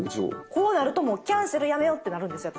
こうなるともうキャンセルやめようってなるんですよ